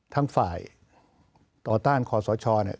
ทั้งฝ่ายต่อต้านคอสชเนี่ย